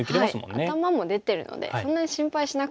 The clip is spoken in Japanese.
頭も出てるのでそんなに心配しなくていいですね。